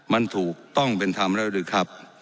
มันถูกต้องเป็นธรรมแล้วหรือครับ